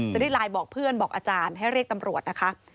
จะได้ไลน์บอกเพื่อนบอกอาจารย์ให้เรียกตำรวจนะคะ